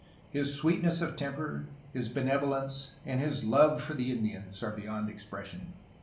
His sweetness of temper, his benev olence, and his love for the Indians are beyond expression."